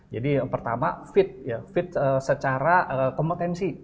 jadi yang pertama fit fit secara kompetensi